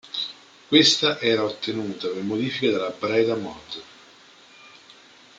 Questa era ottenuta per modifica della Breda Mod.